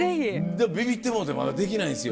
でもビビってもうてまだできないんすよ。